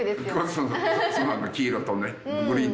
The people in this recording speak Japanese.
そうなの黄色とねグリーン。